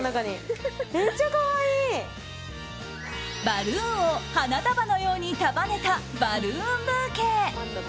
バルーンを花束のように束ねたバルーンブーケ。